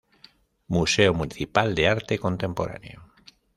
Museo Municipal de Arte Contemporáneo.